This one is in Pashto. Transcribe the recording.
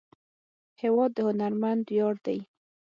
هېواد د هنرمند ویاړ دی.